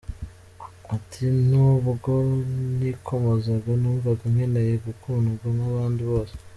Ati “Nubwo nikomezaga ,numvaga nkeneye gukundwa nk’abandi bose .